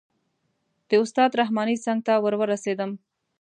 د استاد رحماني څنګ ته ور ورسېدم.